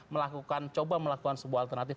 melakukan coba melakukan sebuah alternatif